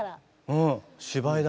うん芝居だ。